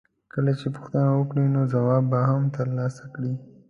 کله چې پوښتنه وکړې نو ځواب به هم ترلاسه کړې.